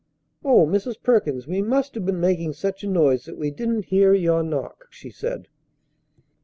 "O Mrs. Perkins, we must have been making such a noise that we didn't hear your knock," she said.